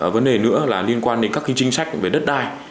vấn đề nữa là liên quan đến các chính sách về đất đai